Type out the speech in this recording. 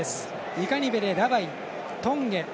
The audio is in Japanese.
イカニベレ、ラバイ、ドンゲ。